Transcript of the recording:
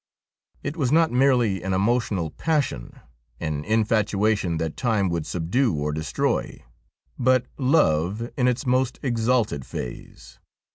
It was not merely an emotional passion ; an infatuation that time would subdue or destroy ; but love in its most exalted phase.